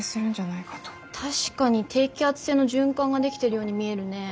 確かに低気圧性の循環が出来てるように見えるね。